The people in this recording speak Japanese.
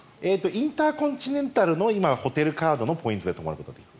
インターコンチネンタルのホテルカードのポイントで泊まることができる。